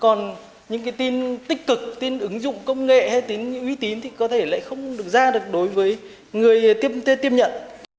còn những cái tin tích cực tin ứng dụng công nghệ hay uy tín thì có thể lại không được ra được đối với người tiếp nhận